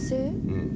うん。